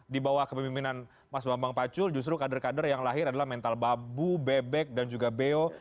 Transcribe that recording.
di bawah kepemimpinan mas bambang pacul justru kader kader yang lahir adalah mental babu bebek dan juga beo